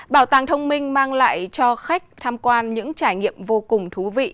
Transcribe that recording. bảo tàng thông minh mang lại cho khách tham quan những trải nghiệm vô cùng thú vị